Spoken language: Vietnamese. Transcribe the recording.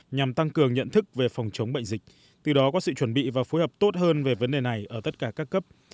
nhằm tăng cường nhận thức về phòng chống bệnh dịch từ đó có sự chuẩn bị và phối hợp tốt hơn về vấn đề này ở tất cả các cấp